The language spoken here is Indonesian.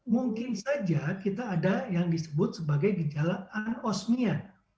mungkin saja kita ada yang disebut sebagai gejala anosmia